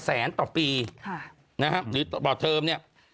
แสนต่อปีค่ะนะฮะหรือต่อบ่าเทิมเนี้ย